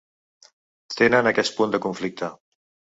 Tenen aquest punt de conflicte.